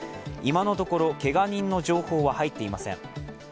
今のところけがにんの情報は入ってきていません。